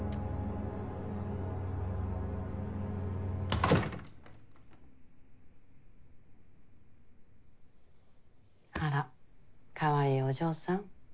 ガチャあらかわいいお嬢さん